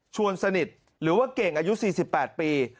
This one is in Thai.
ชวนสนิทหรือว่าเก่งอายุ๔๘ปี